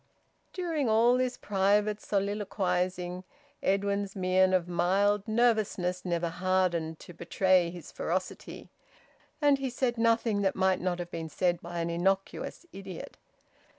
... During all this private soliloquising, Edwin's mien of mild nervousness never hardened to betray his ferocity, and he said nothing that might not have been said by an innocuous idiot.